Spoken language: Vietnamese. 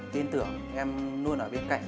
tin tưởng em luôn ở bên cạnh